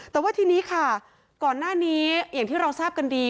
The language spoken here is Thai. แต่ว่าทีนี้ค่ะก่อนหน้านี้อย่างที่เราทราบกันดี